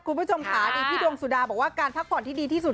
คุณผู้ชมค่ะนี่พี่ดวงสุดาบอกว่าการพักผ่อนที่ดีที่สุด